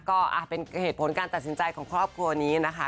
ก็เป็นเหตุผลการตัดสินใจของครอบครัวนี้นะคะ